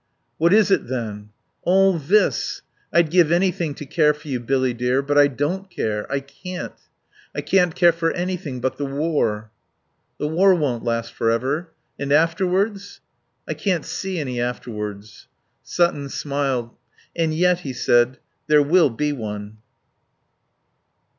"What is it, then?" "All this.... I'd give anything to care for you, Billy dear, but I don't care. I can't. I can't care for anything but the war." "The war won't last for ever. And afterwards?" "I can't see any afterwards." Sutton smiled. "And yet," he said, "there will be one."